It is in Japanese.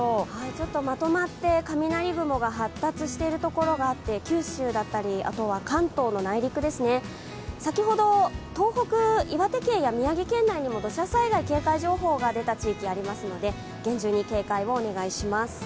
ちょっとまとまって雷雲が発達しているところがあって、九州だったり、関東の内陸ですね、先ほど東北、岩手県や宮城県内にも土砂災害警戒情報が出た地域がありますので厳重に警戒をお願いします。